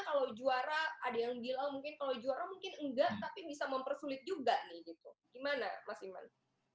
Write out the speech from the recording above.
kalau juara ada yang bilang mungkin kalau juara mungkin enggak tapi bisa mempersulit juga nih gitu gimana mas iman